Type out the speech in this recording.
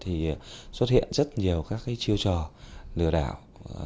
thì xuất hiện rất nhiều các cái chiêu trò lừa đảo